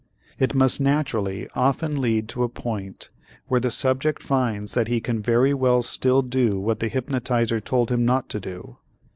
It must naturally often lead to a point where the subject finds that he can very well still do what the hypnotizer told him not to do.